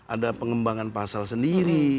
ada pengembangan pasal sendiri